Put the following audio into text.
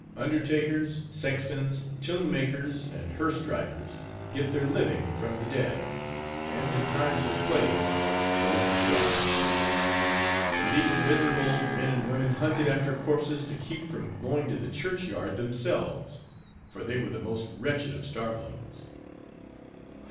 Undertakers, sextons, tomb makers, and hearse drivers, get their living from the dead; and in times of plague most thrive. And these miserable old men and women hunted after corpses to keep from going to the church yard themselves; for they were the most wretched of starvelings.